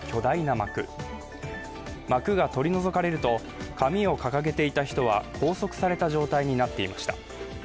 幕が取り除かれると紙を掲げていた人は拘束された状態になっていました。